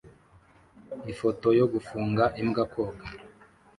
Ifoto yo gufunga imbwa koga